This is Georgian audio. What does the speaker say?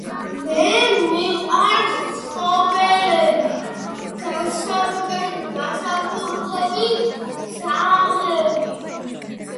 სახელი ეწოდა ლუდვიგ ბოლცმანის პატივსაცემად, რომელმაც დიდი წვლილი შეიტანა სტატისტიკური ფიზიკის განვითარებაში.